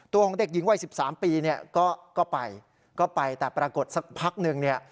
ตัวของเด็กหญิงว่าย๑๓ปีก็ไปแต่ปรากฏสักพักหนึ่ง